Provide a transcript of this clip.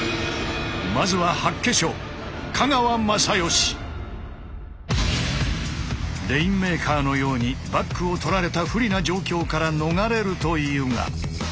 まずはレインメーカーのようにバックを取られた不利な状況から逃れるというが。